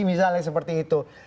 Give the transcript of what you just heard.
misalnya seperti itu